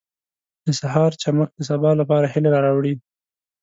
• د سهار چمک د سبا لپاره هیله راوړي.